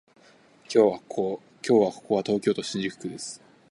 今日はここは東京都新宿区です